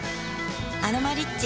「アロマリッチ」